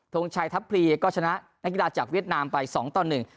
งชัยทัพพลีก็ชนะนักกีฬาจากเวียดนามไปสองต่อหนึ่ง